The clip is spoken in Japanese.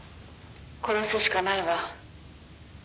「殺すしかないわ」